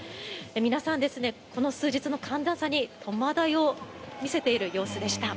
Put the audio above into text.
皆さん、この数日の寒暖差に戸惑いを見せている様子でした。